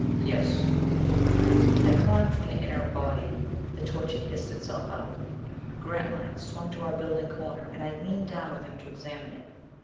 "Yes." I climbed from the inert body. The torch had hissed itself out. Grantline swung to our building corner, and I leaned down with him to examine it.